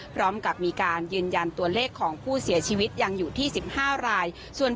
พร้อมกับมีการยืนยันตัวเลขของผู้เสียชีวิตยังอยู่ที่๑๕ราย